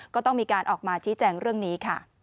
ก็ต้องมีการออกมาชี้แจงเรื่องนี้ค่ะ